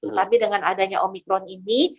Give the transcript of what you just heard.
tetapi dengan adanya omikron ini